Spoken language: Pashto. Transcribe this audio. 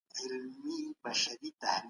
څنګه د صبر لرل د رواني ارامتیا کلي ده؟